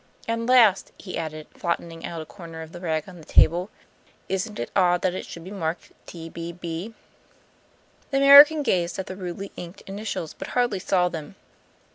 And, last," he added, flattening out a corner of the rag on the table, "isn't it odd that it should be marked T.B.B.?" The American gazed at the rudely inked initials, but hardly saw them.